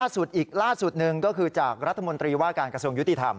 อีกล่าสุดหนึ่งก็คือจากรัฐมนตรีว่าการกระทรวงยุติธรรม